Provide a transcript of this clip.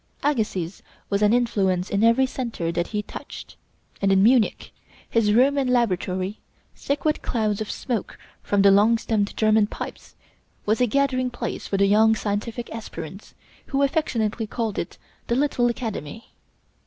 Agassiz was an influence in every centre that he touched; and in Munich, his room and his laboratory, thick with clouds of smoke from the long stemmed German pipes, was a gathering place for the young scientific aspirants, who affectionately called it "The Little Academy."